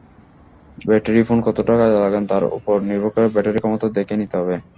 Battery phone কতটা কাজে লাগান, তার ওপর নির্ভর করে ব্যাটারি ক্ষমতা দেখে নিতে হবে।